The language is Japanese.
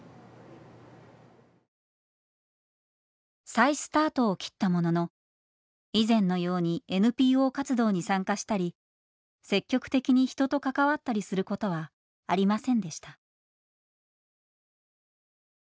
再スタートを切ったものの以前のようにＮＰＯ活動に参加したり積極的に人と関わったりすることはありませんでした。